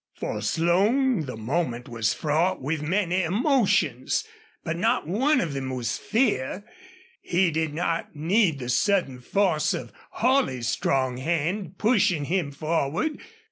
For Slone the moment was fraught with many emotions, but not one of them was fear. He did not need the sudden force of Holley's strong hand, pushing him forward.